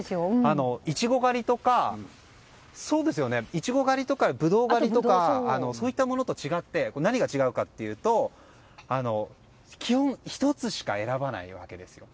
イチゴ狩りとかブドウ狩りとかそういったものと違って何が違うかというと基本１つしか選ばないわけです。